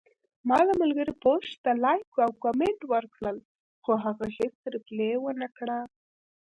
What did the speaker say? ما د ملګري پوسټ ته لایک او کمنټ ورکړل، خو هغه هیڅ ریپلی ونکړه